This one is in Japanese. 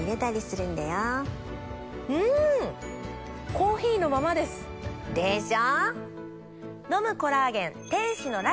コーヒーのままです。でしょ？